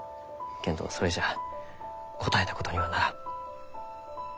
けんどそれじゃ応えたことにはならん。